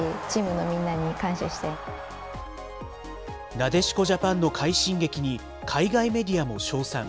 なでしこジャパンの快進撃に、海外メディアも称賛。